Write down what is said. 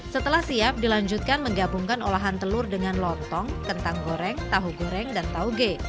setelah siap dilanjutkan menggabungkan olahan telur dengan lontong kentang goreng tahu goreng dan tauge